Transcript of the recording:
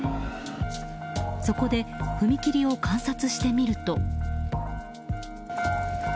そこで、踏切を観察してみると。